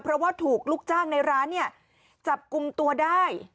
เพราะว่าถูกลูกจ้างในร้านเนี่ยจับกลุ่มตัวได้